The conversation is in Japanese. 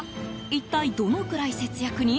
一体どのくらい節約に？